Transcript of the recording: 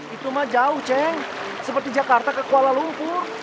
itu mah jauh ceng seperti jakarta ke kuala lumpur